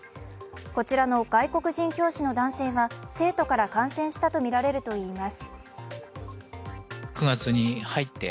こちらの外国人教師の男性は生徒から感染したとみられるということです。